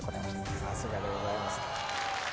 さすがでございます